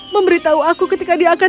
memberitahu aku ketika dia akan